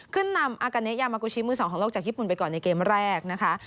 ขึ้นนำอากาเนยามากูชิมือสองของโลกจากญี่ปุ่นไปก่อนในเกมแรกนะคะ